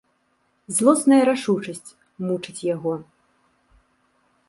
Злосная рашучасць мучыць яго.